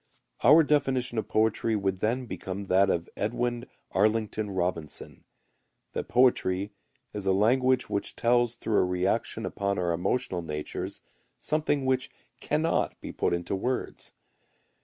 Our definition of poetry would then become that of Edwin Arlington Robinson, that poetry is a language which tells through a reaction upon our emotional natures something which cannot be put into words.